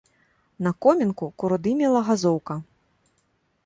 На комінку куродымела газоўка.